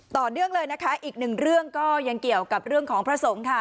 ต่อเนื่องเลยนะคะอีกหนึ่งเรื่องก็ยังเกี่ยวกับเรื่องของพระสงฆ์ค่ะ